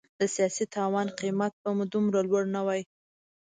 د سیاسي تاوان قیمت به مو دومره لوړ نه وای.